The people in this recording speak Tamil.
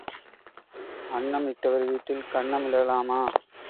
அன்னம் இட்டவர் வீட்டில் கன்னம் இடலாமா?